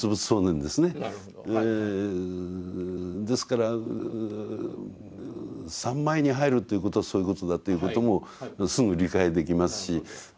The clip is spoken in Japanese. ですから三昧に入るということはそういうことだということもすぐ理解できますし。